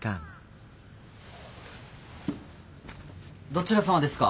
どちら様ですか？